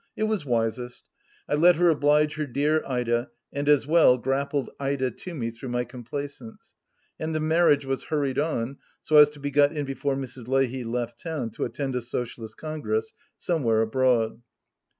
It was wisest. I let her oblige her dear Ida, and, as well, grappled Ida to me through my complaisance. And the marriage was hurried on, so as to be got in before Mrs. Leahy left town to attend a Socialist Congress, somewhere abroad.